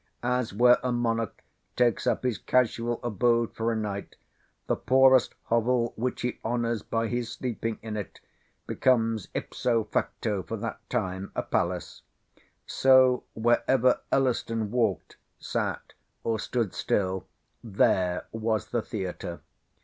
As where a monarch takes up his casual abode for a night, the poorest hovel which he honours by his sleeping in it, becomes ipso facto for that time a palace; so where ever Elliston walked, sate, or stood still, there was the theatre.